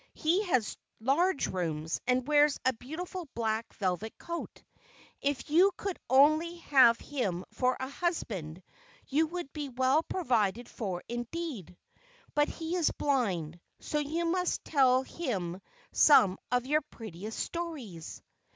He has large rooms, and wears a beautiful black velvet coat. If you could only have him for a husband, you would be well provided for indeed! But he is blind, so you must tell him some of your prettiest stories."